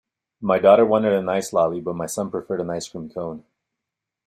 My daughter wanted an ice lolly, but my son preferred an ice cream cone